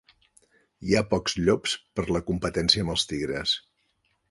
Hi ha pocs llops per la competència amb els tigres.